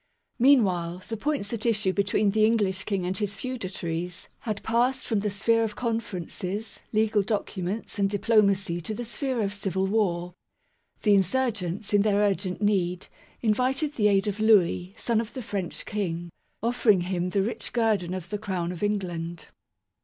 Meanwhile, the points at issue between the English King and his feudatories had passed from the sphere of conferences, legal documents and diplomacy to the sphere of civil war. The insurgents, in their urgent need, invited the aid of Louis, son of the French King, offering him the rich guerdon of the Crown of England.